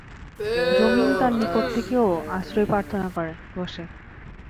যমীন তাঁর নিকট থেকেও আশ্রয় প্রার্থনা করে বসে।